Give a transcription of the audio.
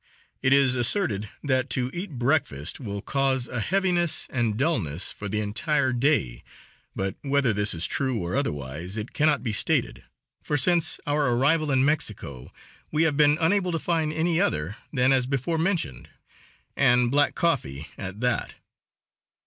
It is asserted that to eat breakfast will cause a heaviness and dullness for the entire day, but whether this is true or otherwise, it cannot be stated, for since our arrival in Mexico we have been unable to find any other than as before mentioned and black coffee at that.